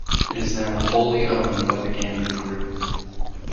It is now wholly owned by the Ganden Group.